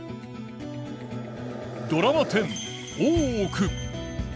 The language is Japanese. ドラマ１０「大奥」。